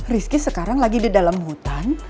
rizky sekarang lagi di dalam hutan